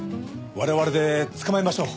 我々で捕まえましょう。